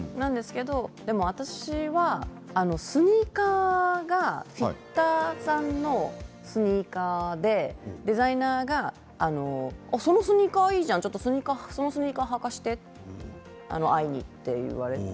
でも私はスニーカーがフィッターさんのスニーカーでデザイナーがそのスニーカーかわいいじゃん履かせて愛にって言われて。